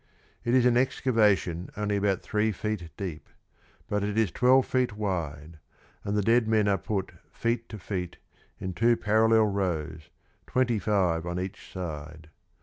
It is an excavation only about three feet deep, but it is twelve feet wide, and the dead men are put feet to feet in two parallel rows, twenty five on each side.